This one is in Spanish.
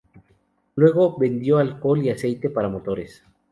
Luego, vendió alcohol y aceite para motores.